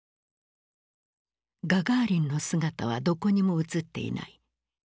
ガガーリンの姿はどこにも映っていない。